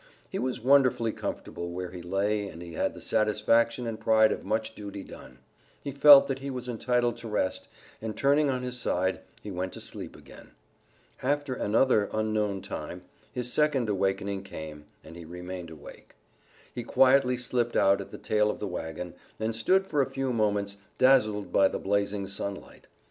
He was wonderfully comfortable where he lay and he had the satisfaction and pride of much duty done. He felt that he was entitled to rest, and, turning on his side, he went to sleep again. After another unknown time his second awakening came and he remained awake. He quietly slipped out at the tail of the wagon, and stood for a few moments, dazzled by the blazing sunlight.